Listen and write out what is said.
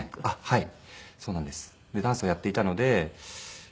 はい。